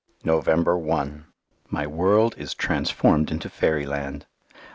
November 1 My world is transformed into fairyland.